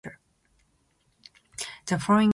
The following year she was declared "persona non grata".